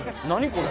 これ。